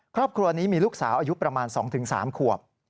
ครอบครัวนี้มีลูกสาวอายุประมาณ๒๓ขวบ